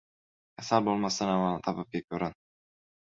• Kasal bo‘lmasdan avval tabibga ko‘rin.